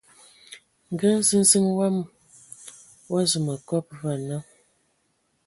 Nga nziziŋ wama o azu ma kɔb va ana.